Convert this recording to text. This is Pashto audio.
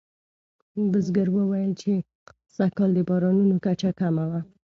بزګر وویل چې سږکال د بارانونو کچه کمه وه.